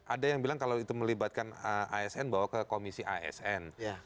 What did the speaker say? ada yang bilang kalau itu melibatkan asn bawa ke komisi asn